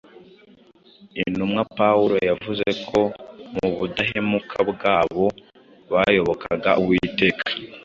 Intumwa Pawulo yavuze ko mu budahemuka bwabo bayobokaga Uwiteka